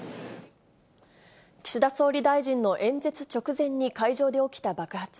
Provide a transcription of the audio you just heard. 岸田総理大臣の演説直前に会場で起きた爆発。